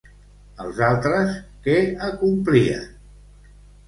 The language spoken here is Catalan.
Els altres què acomplien?